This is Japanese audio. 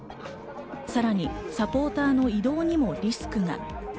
さらにサポーターの移動にもリスクが。